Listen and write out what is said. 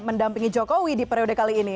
mendampingi jokowi di periode kali ini